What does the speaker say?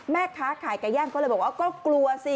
แม่ค้าขายไก่ย่างก็เลยบอกว่าก็กลัวสิ